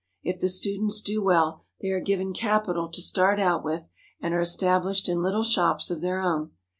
If the students do well they are given capital to start out with and are established in little shops of their own.